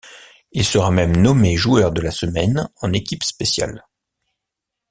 Il sera même nommé joueur de la semaine en équipe spéciale.